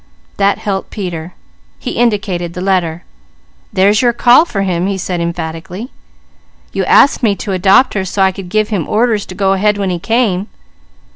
That helped Peter. He indicated the letter. "There's your call for him!" he said, emphatically. "You asked me to adopt her so I could give him orders to go ahead when he came."